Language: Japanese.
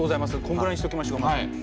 こんぐらいにしときましょうか。